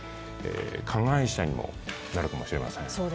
加害者にもなるかもしれません。